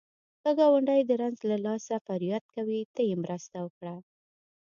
که ګاونډی د رنځ له لاسه فریاد کوي، ته یې مرسته وکړه